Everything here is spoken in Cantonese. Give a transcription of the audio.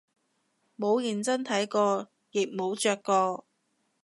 冇認真睇過亦冇着過